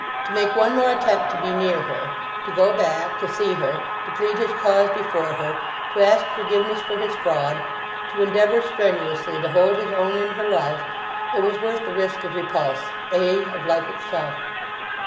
To make one more attempt to be near her: to go back, to see her, to plead his cause before her, to ask forgiveness for his fraud, to endeavour strenuously to hold his own in her love; it was worth the risk of repulse, ay, of life itself.